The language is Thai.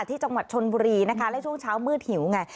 ที่จังหวัดชนบุรีนะคะและช่วงเช้ามืดหิวไง